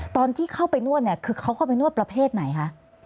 ตอนที่เข้าไปนวดเนี่ยคือเขาเข้าไปนวดประเภทไหนคะ